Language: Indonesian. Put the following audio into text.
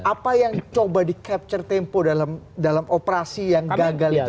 apa yang mencoba menangkap tempo dalam operasi yang gagal itu